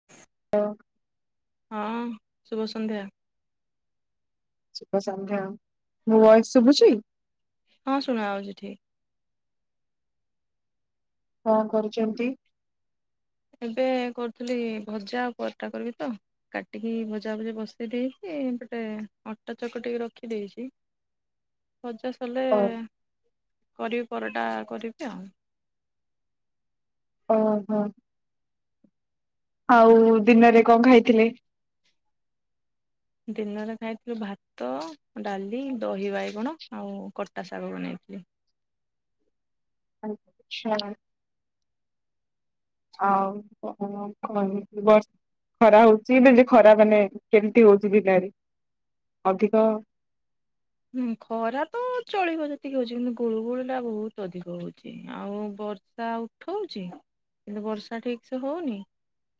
[unintelligible] [unintelligible] ହଁ ଶୁଭସନ୍ଧ୍ୟା। ଶୁଭ ସନ୍ଧ୍ୟା ମୁଁ ଭୟସ ଶୁଭୁଛି? ହଁ ଶୁଣା ଆଉଜି ଠିକ୍। କଣ କରୁଚନ୍ତି। ଏବେ କରୁଥିଲି ଭଜା ଆଉ ପରଟା କରିବି ତ। କାଟିକି ଭଜା ଭଜି ବସେଇ ଦେଇକି ଗୋଟେ ଅଟା ଚକିଟିକି ରଖି ଦେଇଚି ‌ ଭଜା ସଲେ ଓ କରିବି ପରଟା କରିବି ଆଉ। ଓହୋ ଆଉ ଦିନରେ କଁ ଖାଇଥିଲେ? ଦିନରେ ଖାଇଥିଲୁ ଭାତ, ଡାଲି, ଦହି ବାଇଗଣ ଆଉ କଟା ଶାଗ ବନେଇଥିଲି। ଆଚ୍ଛା। ଆଉ କଣ [unintelligible] ଖରା ହଉଚି ଏବେ ବି ଖରା ମାନେ କେମିତି ହଉଚି [unintelligible] ଅଧିକ। ହୁଁ ଖରା ତ ଚଳିବ ଯେତିକି ହଉଚି କିନ୍ତୁ ଗୁଳୁଗୁଳୁଟା ବହୁତ ଅଧିକ ହଉଚି ଆଉ ବର୍ ଆ ଉଠଉଛି କିନ୍ତୁ ବର୍ଷା ଠିକସେ ହଉନି।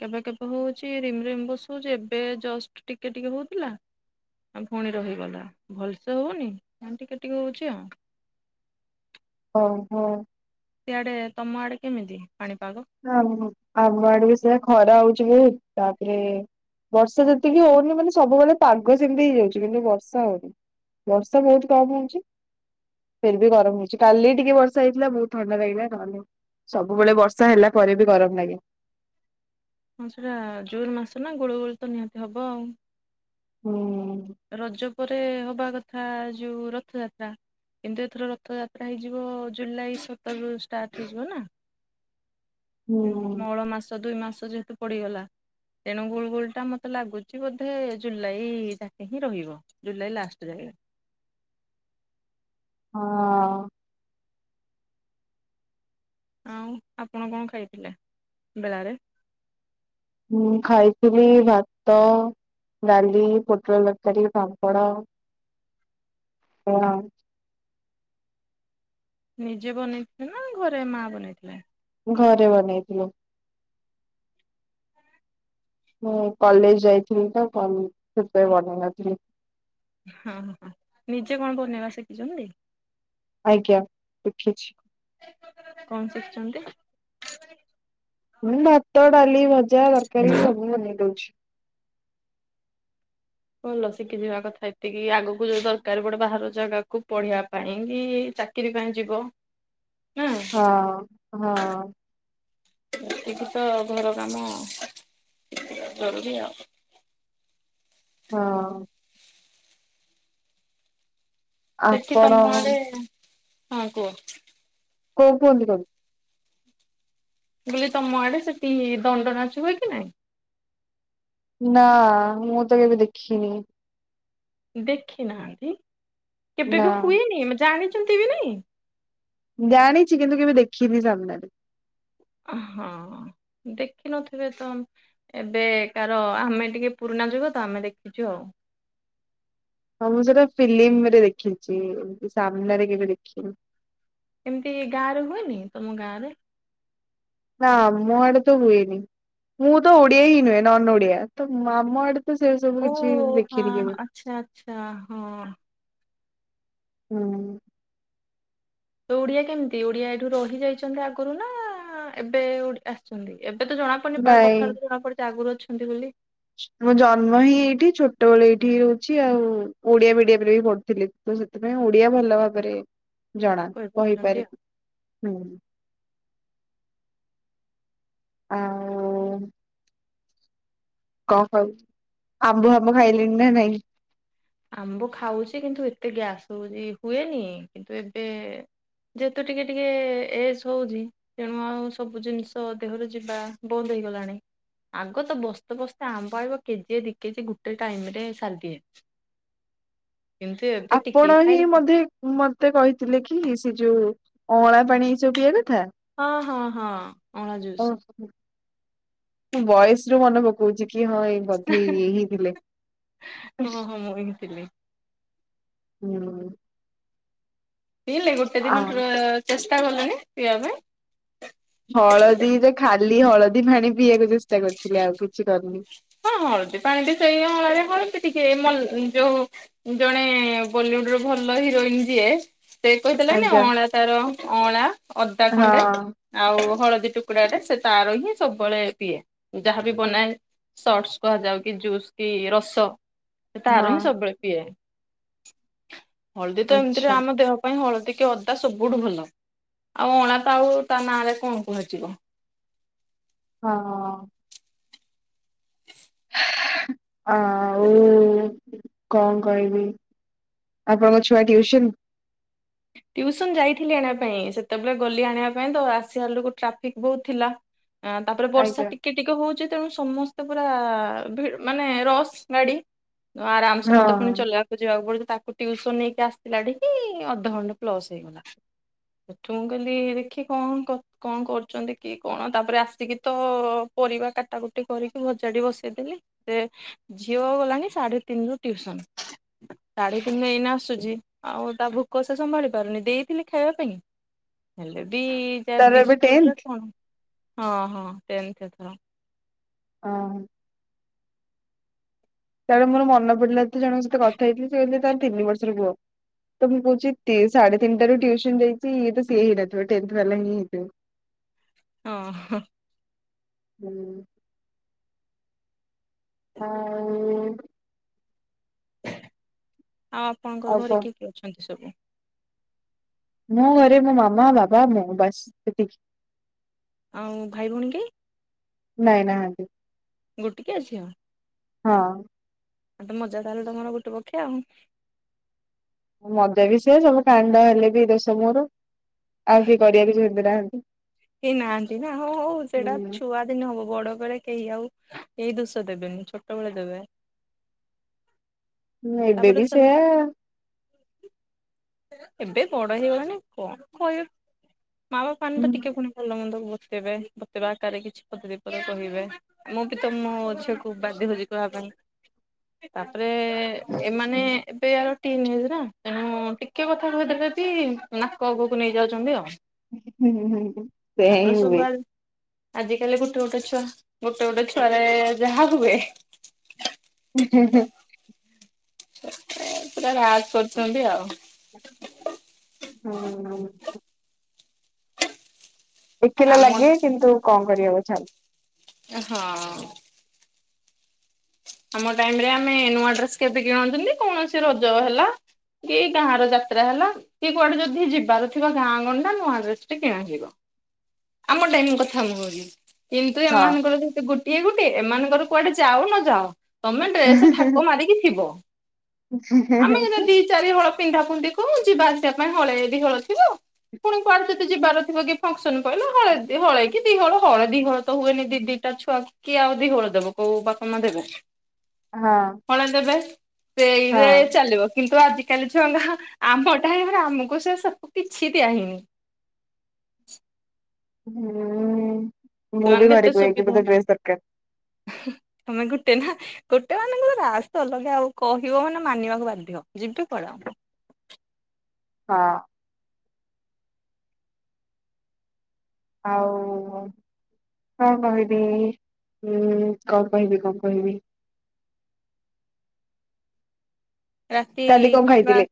କେବେ କେବେ ହଉଚି ରିମ୍ ରିମ୍ ବସଉଚି ଏବେ ଜଷ୍ଟ ଟିକେ ଟିକେ ହଉଥିଲା‌ ଆଉ ଭଉଣୀ ରହିଗଲା ଭଲସେ ହଉନି ଟିକେ ଟିକେ ହଉଚି ଆଉ‌। ହଉ [unintelligible] ସେଆଡେ ତମ ଆଡେ କେମିତି ପାଣିପାଗ? [unintelligible] ଆମ ଆଡ ବି ସେ ଖରା ହଉଚି ବି ତାପରେ ବର୍ଷା ଯେତିକି ହଉନି ମାନେ ସବୁବେଳେ ପାଗ ସେମିତି ହେଇଯାଉଚି କିନ୍ତୁ ବର୍ଷା ହଉନି। ବର୍ଷା ବହୁତ୍ କମ୍ ହଉଚି। ଫେର ବି ଗରମ ହଉଚି କାଲି ଟିକେ ବର୍ଷା ହେଇଥିଲା ବହୁତ ଥଣ୍ଡା ଲାଗିଲା। ନହଲେ ସବୁବେଳେ ବର୍ଷା ହେଲା ପରେ ବି ଗରମ ଲାଗେ। ହଁ ସେଇଟା ଜୁନ୍ ମାସ ନା ଗୁଳୁଗୁଳି ତ ନିହାତି ହବ ଆଉ। ହୁଁ! ରଜ ପରେ ହବା କଥା ଯୋଉ ରଥଯାତ୍ରା। କିନ୍ତୁ ଏଥର ରଥଯାତ୍ରା ହେଇଯିବ ଜୁଲାଇ ସତରରୁ ଷ୍ଟାର୍ଟ ହେଇଯିବ ନା। ହୁଁ। ମଳ ମାସ ଦୁଇ ମାସ ଯେହେତୁ ପଡିଗଲା। ତେଣୁ ଗୁଳୁଗୁଳିଟା ମତେ ଲାଗୁଚି ବୋଧେ ଜୁଲେଇଟା। ହିଁ ରହିବ ଜୁଲାଇ ଲାଷ୍ଟ ଯାଏ। ହଁ! ଆଉ ଆପଣ କଁ ଖାଇଥିଲେ ବେଳାରେ? ହୁଁ ଖାଇଥିଲି ଭାତ, ଡାଲି, ପୋଟଳ ତରକାରୀ, ପାମ୍ପଡ, ହଁ। ନିଜେ ବନେଇଥିଲେ ନା ଘରେ ମା ବନେଇଥିଲେ? ଘରେ ବନେଇଥିଲୁ। ମୁଁ କଲେଜ ଯାଇଥିଲି ତ କରିନି, ସେତବେଳେ ବନେଇ ନଥିଲି। ହଁ ହ ନିଜେ କଣ ବନେଇବା ଶିଖିଛନ୍ତି? ଆଜ୍ଞା, ଶିଖିଛି। କଣ ଶିଖିଛନ୍ତି? ମୁଁ ଭାତ, ଡାଲି, ଭଜା, ତରକାରୀ ସବୁ ବନେଇ ଦଉଛି। ଭଲ ଶିଖି ଯିବା କଥା ଏତିକି, ଆଗକୁ ଯୋଉ ଦରକାର ପଡେ ବାହାର ଜାଗାକୁୁ ପଢିବା ପାଇଁ କି, ଚା କିରି ପାଇଁ ଯିବ। ନା ହଁ ହଁ। ଏତିକି ତ ଘର କାମ ଜରୁରୀ ଆଉ। ହଁ। ସେଠି ଆପଣ ତମଆଡେ, ହଁ କୁହ। କଣ କୁହନ୍ତି ତାକୁ? [unintelligible] ତମ ଆଡେ ସେଠି ଦଣ୍ଡ ନାଚ ହୁଏ କି ନାଇଁ? ନା, ମୁଁ ତ କେବେ ଦେଖିନି। ଦେଖି ନାହାନ୍ତି? କେବେ ନା ବି ହୁଏନି? ଜାଣିଛନ୍ତି ବି ନାଇଁ? ଜାଣିଛି କିନ୍ତୁ କେବେ ଦେଖିନି ସାମ୍ନାରେ। ଅ ହଁ ଦେଖିନଥିବେ ତ ଏବେ କାର ଆମେ ଟିକେ ପୁରୁଣା ଯୁଗ ତ ଆମେ ଦେଖିଛୁ ଆଉ। ହଁ ମୁଁ ସେଇଟା ଫିଲ୍ମରେ ଦେଖିଛି, ଏମିତି ସାମ୍ନାରେ କେବେ ଦେଖିନି। ଏମିତି ଗାଁ ରେ ହୁଏନି? ତମ ଗାଁ ରେ? ନା ଆମ ଆଡେ ତ ହୁଏନି। ମୁଁ ତ ଓଡିଆ ହିଁ ନୁହେଁ ନନ୍‌ ଓଡିଆ, ତ ଆମ ଆଡେ ତ ସେ ସବୁ ଓ କିଛି ହଁ ଦେଖିନି କେବେ। ଆଚ୍ଛା ଆଚ୍ଛା। ହଁ ହଁ। ତ ଓଡିଆ କେମିତି? ଓଡିଆ ଏଇଠୁ ରହିଯାଇଛନ୍ତି ଆଗରୁ ନା ଏବେ ଆସିଛନ୍ତି? ଏବେ ତ ଜଣାପଡୁନି, ନାଇଁ। କଥାରୁ ତ ଜଣାପଡୁଛି ଆଗରୁ ଅଛନ୍ତି ବୋଲି? ମୁଁ ଜନ୍ମ ହିଁ ଏଇଠି, ଛୋଟବେଳେ ଏଇଠି ହିଁ ରହୁଛି ଆଉ ଓଡିଆ ମିଡିୟମରେ ବି ପଢୁଥିଲି। ତ ସେଥିପାଇଁ ଓଡିଆ ଭଲ ଭାବରେ ଜଣା, କହିପାରୁଛନ୍ତି କହିପାରେ। ଆଉ ହୁଁ। ଆଉ କ, [unintelligible] ଆମ୍ବ ଫାମ୍ବ ଖାଇଲେଣି ନା ନାଇଁ? ଆମ୍ବ ଖାଉଛି କିନ୍ତୁ ଏତେ ଗ୍ୟାସ୍‌ ହଉଛି, ହୁଏନି କିନ୍ତୁ ଏବେ ଯେହେତୁ ଟିକେ ଟିକେ ଏଜ ହଉଛି ତେଣୁ ଆଉ ସବୁ ଜିନିଷ ଦେହରେ ଯିବା ବନ୍ଦ ହେଇଗଲାଣି। ଆଗ ତ ବସ୍ତେ ବସ୍ତେ ଆମ୍ବ ଆଇବ, କେଜିଏ, ଦିକେଜି ଗୁଟେ ଟାଇମ ରେ ସାରିଦିଏ। କିନ୍ତୁ ଏବେ ଆପଣ ଟିକେ ହିଁ ଖାଇଲେ ମଧ୍ୟ ମତେ କହିଥିଲେ କି ସେ ଯୋଉ ଅଁଳା ପାଣି ଏ ସବୁ ପିଇବା କଥା? ହଁ ହଁ ହଁ। ଅଁଳା ଜୁସ୍। [unintelligible] ମୁଁ ବଏସ୍‌ ରୁ ମନେ ପକଉଛି କି ହଁ ଏଇ ବଧେ ଇଏ ହିଁ ଥିଲେ। ହଁ ହଁ ମୁଁ ହିଁ ଥିଲି। ହୁଁ। ପିଇଲେ? ଗୋଟେ ଆ ଦିନ ଟ୍ର ଚେଷ୍ଟା କଲେନି ପିଇବା ପାଇଁ। ହଳଦୀରେ ଖାଲି ହଳଦୀ ଫାଣି ପିଇବାକୁ ଚେଷ୍ଟା କରିଥିଲେ ଆଉ କିଛି କରିନି। ହଁ ହଳଦୀ ପାଣି ବି ସେଇଆ ହଳଦୀ ଟିକେ ମନଂ ଯୋଉ ଜଣେ ବଲିଉଡ୍ ର ଭଲ ହିରୋଇନ୍ ଯିଏ ସେ କହିଥିଲା ନା ଆଜ୍ଞା ଅଁଳା ତାର ଅଁଳା ଅଦା ଖଣ୍ଡେ ହଁ ଆଉ ହଳଦୀ ଟୁକୁଡା ଟା ସେ ତାର ହିଁ ସବୁବେଳେ ପିଏ। ଯାହାବି ବନାଏ ସଟ୍ସ୍ କୁହାଯାଉ କି ଜୁସ୍ କି ରସ ହଁ ତାର ହିଁ ସବୁବେଳେ ପିଏ। ହଳଦୀ ତ ଏମିତିରେ ଆଚ୍ଛା ଆମ ଦେହ ପାଇଁ ହଳଦୀ କି ଅଦା ସବୁଠୁ ଭଲ। ଆଉ ଅ ତ ଆଉ ତା ନାଁ ରେ ଆଉ କଣ କୁହାଯିବ। ହଁ। ଆଉ କଣ କହିବି? ଆପଣଙ୍କ ଛୁଆ ଟ୍ୟୁସନ ଟ୍ୟଉସନ ଯାଇଥିଲି ଆଣିବା ପାଇଁ ସେତେବେଳେ ଗଲି ଆଣିବା ପାଇଁ ତ ଆସିବା ବେଳକୁ ଟ୍ରାଫିକ୍ ବୋହୁତ୍ ଥିଲା। ଆ ତାପରେ ବର୍ଷା ଆଜ୍ଞା ଟିକେ ଟିକେ ହଉଛି ତେଣୁ ସମସ୍ତେ ପୁରା ମାନେ ରସ ଗାଡି ଆରାମସେ ହଁ ମତେ ପୁଣି ଚଲେଇବାକୁ ଯିବାକୁ ପଡୁଛି ତାକୁ ଟିଉସନ୍ ନେଇକି ଆସିଲାଡିକି ଅଧା ଖଣ୍ଡେ ପ୍ଲସ୍ ହେଇଗଲା। ସେଠୁ ମୁଁ କହଲି ଦେଖି କଣ କ କଣ କରୁଛନ୍ତି କି କଣ ତାପରେ ଆସିକି ତ ପରିବା କାଟା କୁଟି କରିକି ଭଜାଡି ବସେଇଦେଲି। ସେ ଝିଅ ଗଲାଣି ସାଢେ ତିନି ରୁ ଟିଉସନ। ସାଢେ ତିନିରୁ ଏଇନେ ଆସୁଛି ଆଉ ତା ଭୋକ କ ସେ ସମ୍ଭାଳି ପାରୁନି। ଦେଇଥିଲି ଖାଇବା ପାଇଁ, ହେଲେ ବି ଯାହା ତାର ଏବେ ବିସ୍କୁଟୁ ଟେନ୍ଥ ରେ କଣ ହଁ ହଁ ଟେନ୍ଥ ଏଥର। ଅହଃ। ତାଳୁ ମୋର ମନ ପଡିଲା ତ ଏତେ ଜଣଙ୍କ ସହିତ କଥା ହେଇଥିଲି ସେ କହିଲେ ତାର ତିନି ବର୍ଷର ପୁଅ। ତ ମୁଁ ବୁଝିଚି ତି ସାଢ଼େ ତିନି ଟାରୁ ଟ୍ୟୁସନ ଯାଇଛି ତ ସିଏ ହେଇନଥିବ ଟେନ୍ଥ ବାଲା ହିଁ ହେଇଥିବ। [inaudible] ଓଃ। ହୁଁ। ଆଉ ଆଉ ଆପଣଙ୍କ ଆଉ ଘରେ କଣ କିଏ କିଏ ଅଛନ୍ତି ସବୁ? ମୋ ଘରେ ମୋ, ମାମା, ବାବା, ମୁଁ ବାସ୍ ଏତିକି। ଆଉ ଭାଇ ଭଉଣୀ କେଇ? ନାଇଁ ନାହାନ୍ତି। ଗୋଟିକିଆଁ ଝିଅ? ହଁ। ଆଉ ତ ମଜା ତାହାଲେ ତମର ଗୋଟେ ପକ୍ଷେଆ ଆଉ। ମଜା ବି ସେ ସବୁ କାଣ୍ଡ ହେଲେ ବି ଦୋଷ ମରୋ ଆଉ କିଏ କରିବା ବି ସେମିତି ନାହାନ୍ତି। କେହି ନାହାନ୍ତି ନା, ହଉ ହଉ ସେଟା ଛୁଆ କେମିତି ହବ, ବଡ ବେଳେ କେହି ଆଉ କେହି ଦୋଷ ଦେବେନି ଛୋଟ ବେଳେ ଦେବେ। ହୁଁ ଏବେ ତାପରେ ବି ସେୟା ସାରିଲା। ଏବେ ବଡ ହେଇଗଲାଣି କଣ କହିବା? ମା ବାପା ମାନେ ତ ହୁଁ ଟିକେ ପୁଣି ଭଲ ମନ୍ଦ ବୁଝେଇବା, ବତେଇବା ଆକାରରେ କିଛି ପଦେ ଦି ପଦେ କହିବା। ମୁଁ ବି ତ ମୋ ଝିଅକୁ ବାଧ୍ୟ ହଉଛି କହିବା ପାଇଁ। ତାପରେ ଏମାନେ ଏବେ ଆଉ ଟିନ୍ ଏଜ୍ ର ତେଣୁ ଟିକେ କଥା କହିଦେଲେ କି ନାକ ଆଗକୁ ନେଇଯାଉଛନ୍ତି ଆଉ। ହୁଁ ହୁଁ। ସେୟା ହିଁ ତାପରେ ହୁଏ। ସବୁଆ ଆଜି କାଲି ଗୋଟେ ଗୋଟେ ଛୁଆ, ଗୋଟେ ଗୋଟେ ଛୁଆରେ ଯାହା ହୁଏ ହୁଁ ହୁଁ ହୁଁ ପୁରା ରାଜ କରୁଚନ୍ତି ଆଉ। ହୁଁ ହଁ [unintelligible] ଏକେଲା ଆମ ଲାଗେ କିନ୍ତୁ କଣ କରି ହବ ଛାଡେ। ହଁ। ଆମ ଟାଇମିରେ ଆମେ ନୂଆ ଡ୍ରେସ କେତେ କିଣନ୍ତିନି କୌଣସି ରଜ ହେଲା? କି ଗାଁ ର ଯାତ୍ରା ହେଲା। କି କୁଆଡେ ଯଦି ଯିବାର ଥିବା ଗାଁ ଗଣ୍ଡା ନୂଆ ଡ୍ରେସଟେ କିଣା ହେବ। ଆମ ଟାଇମି ମୁଁ କଥା ମୁଁ କହୁଚି। କିନ୍ତୁ ଏମାନଙ୍କର ସେ ଗୋଟିଏ ଗୋଟିଏ ଏମାନଙ୍କର କୁଆଡେ ଯାଉ ନ ଯାଉ ତମେ ଡ୍ରେସେ ହଁ। ଥାକ ମାରିକି ଥିବ ଆମେ କି ଦି ଚାରି ହଳ ପିନ୍ଧା ପୁଧି କୁ ଯିବା ଆସିବା ପାଇଁ ହଳେ ବିି ଦି ହଳ ଥିବ। ପୁଣି କୁଆଡେ ଯତେ ଯିବାର ଥିବ କି ଫଙ୍କସନ କହିଲେ ହଳେ ହଳେଇ କିି ଦିହଳ ହଳେ ଦିହଳ ତ ହୁଏନି ଦିଦି ଟା ଛୁଆ କିଏ ଆଉ ଦି ହଳ ଦବ କୋଉ ବାପା ମା ଦେବେ? ହଁ। ହଳେ ଦେବେ ସେଇରେ ହଁ। ଚାଲିବ କିନ୍ତୁ ଆଜିକାଲି ଝୁଅଙ୍କ ଆମ ଟାଇମିରେ ଆମକୁ ସେ ସବୁ କିଛି ଦିଆହେଇନି। ହୁଁ ମୁଁ ବି ସେମାନଙ୍କୁ ଘରେ ଏତେ କୁହେ କି ସୁବିଧା ମତେ ଡ୍ରେସ୍ ଦରକାରେ। ତମେ ଗୋଟେ ନା। ଗୋଟେ ମାନଙ୍କର ରାସ୍ ଅଲଗା ଆଉ କହିବ ମାନେ ମାନିବାକୁ ବାଧ୍ୟ ଯିବି ପଳା ଆ। ହଁ। ଆଉ କଣ କହିବିଁ ଉଁ କଣ କହିବି କଣ କହିବି। ରାତି କାଲି କଣ ଖାଇଥିଲେ?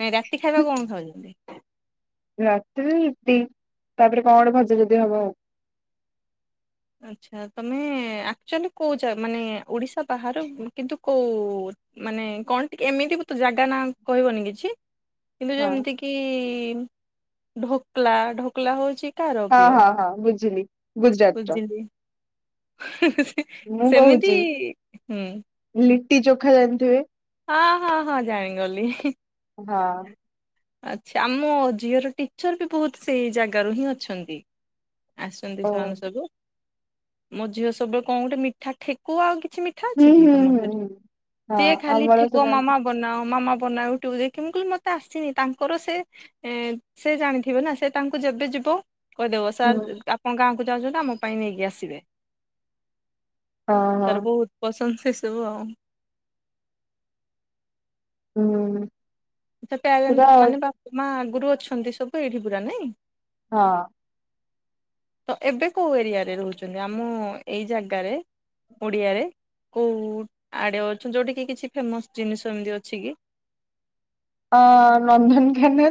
ନାଇ ରାତି ଖାଇବାକୁ କଣ ଖାଉଚନ୍ତି? ରାତିରେ ରୁଟି ତାପରେ କଣଗୋଟେ ଭଜା ଯଦି ହବ। ଆଚ୍ଛା ତମେ ଆକ୍ଚୁଆଲି କେଉ ଯା ମାନେ ଓଡ଼ିଶା ବାହାରୁ କିନ୍ତୁ କେଉ ମାନେ କଣ ଟି ଏମିତି ବି ତ ଜାଗା ନା କହିବନି କିଛି? କିନ୍ତୁ ହଁ। ଯେମିତି କିି ଢୋକଲା ଢୋକଲା ହଉଚି ହଁ ହଁ ହଁ ବୁଝିଲି। ଗୁଜୁରାଟ ର ବୁଝିଲି ମୁଁ ସେମିତି କହୁଛି ହୁଁ ଲିଟି ଜୋଖା ଜାଣିଥିବେ? ହଁ ହଁ ହଁ ଜାଣିଗଲି। ହଁ। ଆଚ୍ଛା ଆମ ଝିଅର ଟିଚର ବି ବହୁତୁ ସେଇ ଜାଗାରୁ ହିଁ ଅଛନ୍ତି। ଆସନ୍ତି ଓ ସେମାନେ ସବୁ ମୋ ଝିଅ ସବୁବେଳେ କଣ ଗୋଟେ ମିଠା ଠେକୁ ଆଉ କିଛି ମି ଠା ହୁଁ ଅଛି କି ହୁଁ ତମ ହୁଁ ସେଠି ହୁଁ। ହଁ ସିଏ ଖାଲି ଆମର ସେ ଠେକୁଆ ହଁ ମାମା ହଁ ବନାଅ ମାମା ବନାଅ ଯୁଟ୍ୟୁବୁ ଦେଖି ମୁଁ କିହିଲି ମତେ ଆସିନି। ତାଙ୍କର ସେ ସେ ଜାଣିଥିବ ନା ସେ ତାଙ୍କୁ ଯେବେ ଯିବ କହିଦବ ସାର୍ ଆ ଆପଣ ଗାଁକୁ ଯାଉଚନ୍ତି ତ ଆମ ପାଇଁ ନେଇକି ଆସିବେ ତାର ବହୁତୁ ପସନ୍ଦ ସେ ସବୁ ଆଉ। ହୁଁ। ତୋ ସେଟା ପ୍ୟାରେଣ୍ଟ ମାନେ ବାପା ମା ଆଗୁରୁ ଅଛନ୍ତି ସବୁ ଏଠି ପୁରା ନାଇଁ? ହଁ। ତ ଏବେ କୋଉ ଏରିଆରେ ରହୁଚନ୍ତି ଆମ ଏଇ ଜାଗାରେ? ଓଡିଆରେ କୋଉ ଆଡ଼େ ଅଛ ଯୋଉଠିକିି କିଛି ଫେମସ୍ ଜିନିଷ ଏମିତି ଅଛି କି? ଅ ନନ୍ଦନକାନନ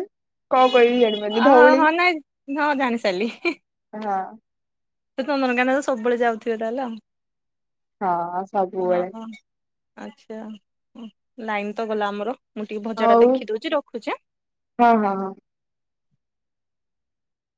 କଣ କହିବି ଜାଣିପା ଅହ ହଁ ନାଇଁ ହଁ ଜାଣି ସାରିଲି। ହଁ। [unintelligible] ନନ୍ଦନକାନ ତ ସବୁବେଳେ ଯାଉଥିବେ ତାହଲେ ଆଉ ହଁ ସବୁବେଳେ ହଁ। ଆଚ୍ଛା ଲାଇନ୍ ତ ଗଲା ଆମର ମୁଁ ଟିକେ ଭଜା ଟା ହଉ ଦେଖିଦଉଛି ରଖୁଛି ଆଁ। ହଁ - ହଁ- ହଁ।